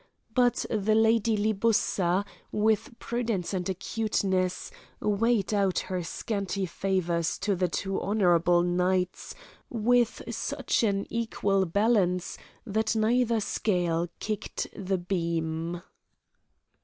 But the Lady Libussa, with prudence and acuteness, weighed out her scanty favours to the two honourable knights with such an equal balance, that neither scale kicked the beam.